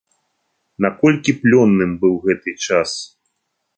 Наколькі плённым быў гэты час?